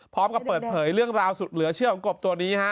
พร้อมกับเปิดเผยเรื่องราวสุดเหลือเชื่อของกบตัวนี้ฮะ